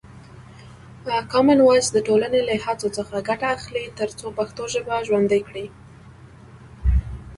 کامن وایس د ټولنې له هڅو څخه ګټه اخلي ترڅو پښتو ژبه ژوندۍ کړي.